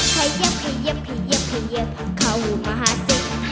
ขยับขยิบขยิบขยิบเข้ามาสิ